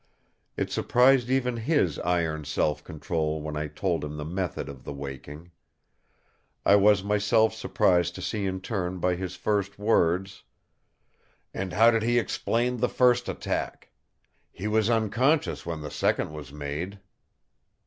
It surprised even his iron self control when I told him the method of the waking. I was myself surprised in turn by his first words: "And how did he explain the first attack? He was unconscious when the second was made."